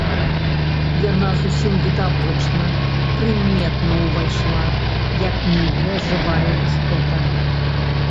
Яна зусім відочна, прыметна ўвайшла, як нейкая жывая істота.